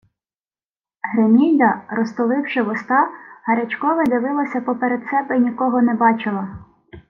Гримільда, розтуливши вуста, гарячкове дивилася поперед себе й нікого не бачила.